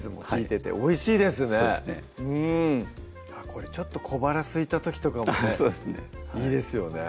これちょっと小腹すいた時とかもねいいですよね